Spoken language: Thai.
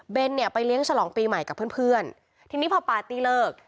เป็นเนี่ยไปเลี้ยงฉลองปีใหม่กับเพื่อนเพื่อนทีนี้พอปาร์ตี้เลิก